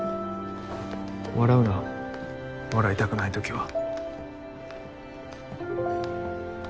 笑うな笑いたくないときは。